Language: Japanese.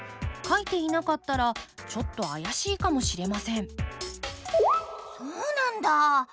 書いていなかったらちょっと怪しいかもしれませんそうなんだ！